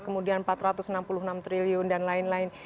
kemudian rp empat ratus enam puluh enam triliun dan lain lain